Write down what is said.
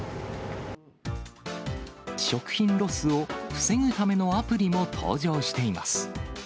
食品ロスを防ぐためのアプリも登場しています。